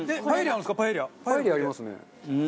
パエリアありますね。